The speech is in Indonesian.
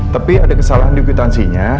tapi ada kesalahan di wikultansinya